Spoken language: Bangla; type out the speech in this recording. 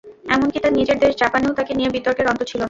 এমনকি তাঁর নিজের দেশ জাপানেও তাঁকে নিয়ে বিতর্কের অন্ত ছিল না।